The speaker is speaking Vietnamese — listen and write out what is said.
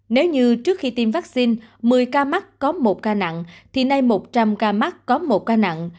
nếu như trước khi tiêm vaccine một mươi ca mắc có một ca nặng thì nay một trăm linh ca mắc có một ca nặng